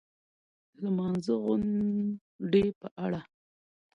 د لمانځغونډې په اړه